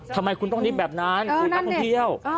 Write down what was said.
ทำไมคุณต้องนิดแบบนั้นคือนักท่องเที่ยว